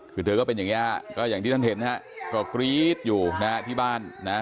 คือเธอก็เป็นอย่างนี้ก็อย่างที่ท่านเห็นนะฮะก็กรี๊ดอยู่นะฮะที่บ้านนะ